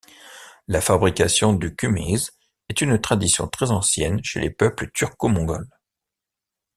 La fabrication du kumiz est une tradition très ancienne chez les peuples turco-mongols.